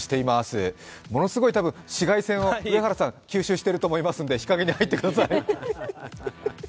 上原さん、ものすごい紫外線を吸収していると思うので、日陰に入ってください。